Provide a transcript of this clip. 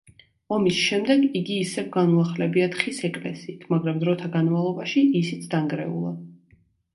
ომის შემდეგ იგი ისევ განუახლებიათ ხის ეკლესიით, მაგრამ დროთა განმავლობაში ისიც დანგრეულა.